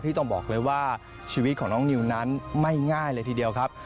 ต้องบอกเลยว่าชีวิตของน้องนิวนั้นไม่ง่ายเลยทีเดียวครับ